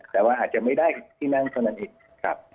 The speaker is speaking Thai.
แต่ว่าอาจจะไม่ได้ที่นั่งเท่านั้นเองครับ